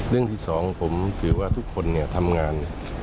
เรื่องที่สองผมถือว่าทุกคนเนี่ยทำงาน